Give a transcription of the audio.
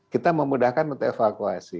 kita memudahkan untuk evakuasi